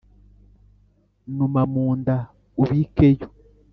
numa mu nda ubikeyo